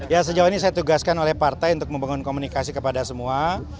ya sejauh ini saya tugaskan oleh partai untuk membangun komunikasi kepada semua